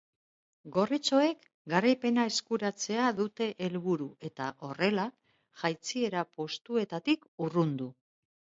Gorritxoek garaipena eskuratzea dute helburu eta, horrela, jaitsiera postuetatik urrundu.